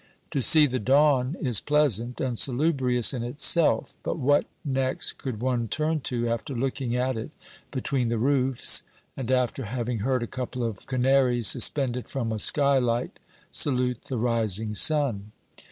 To see the dawn is pleasant and salubrious in itself, but what next could one turn to after looking at it between the roofs, and after having heard a couple of canaries suspended from a skylight salute the rising sun